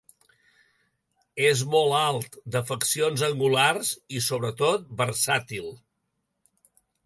És molt alt, de faccions angulars i sobretot versàtil.